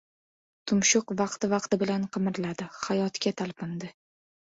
Tumshuq vaqti-vaqti bilan qimirladi. Hayotga talpindi.